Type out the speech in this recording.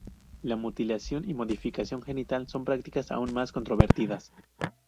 La mutilación y modificación genital son prácticas aún más controvertidas.